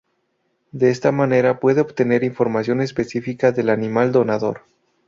De esta manera puede obtener información específica del animal donador.